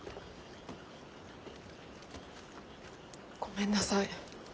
ごめんなさい。